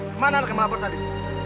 kemana anak yang melapor tadi